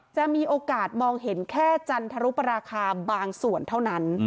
จะมีโอกาสมองเห็นแค่จันทรุปราคาบางส่วนเท่านั้น